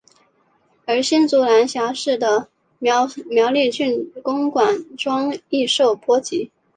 而新竹州辖下的苗栗郡公馆庄亦受波及。